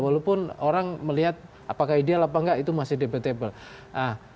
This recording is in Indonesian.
walaupun orang melihat apakah ideal apa enggak itu masih debatable